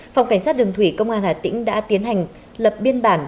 phòng cảnh sát đường thủy công an hà tĩnh đã tiến hành lập biên bản